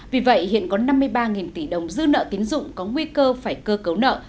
vì vậy hiện có năm mươi ba tỷ đồng dư nợ tín dụng có nguy cơ phải cơ cấu nợ